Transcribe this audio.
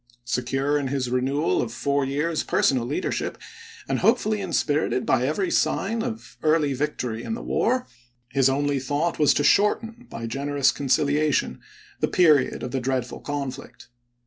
Secure in his renewal of four years' personal lead ership, and hopefully inspirited by every sign of early victory in the war, his only thought was to shorten, by generous conciliation, the period of the dreadful conflict.